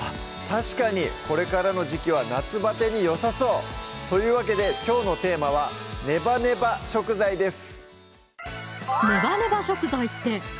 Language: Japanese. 確かにこれからの時季は夏バテによさそうというわけできょうのテーマは「ネバネバ食材」です